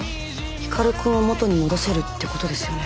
光くんを元に戻せるってことですよね？